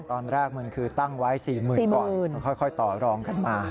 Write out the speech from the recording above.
ตอนแรกมันคือตั้งไว้๔๐๐๐ก่อนค่อยต่อรองกันมา